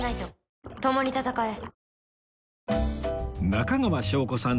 中川翔子さん